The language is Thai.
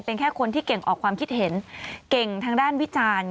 เป็นแค่คนที่เก่งออกความคิดเห็นเก่งทางด้านวิจารณ์